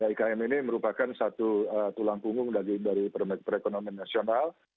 ikm ini merupakan satu tulang punggung dari perekonomian nasional